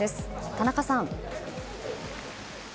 田中さん。